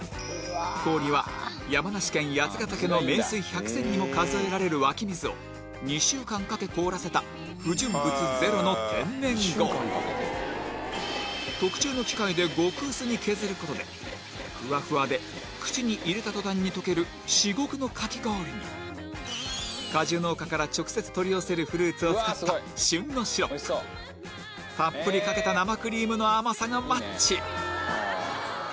氷は山梨県八ヶ岳の名水百選にも数えられる湧き水を２週間かけ凍らせた不純物ゼロの特注の機械で極薄に削ることでフワフワで口に入れたとたんに溶ける至極のかき氷に果樹農家から直接取り寄せるフルーツを使った旬のシロップたっぷりかけた生クリームの甘さがマッチ！